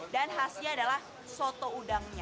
dan khasnya adalah soto udangnya